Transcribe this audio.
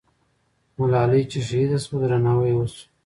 ملالۍ چې شهیده سوه، درناوی یې وسو.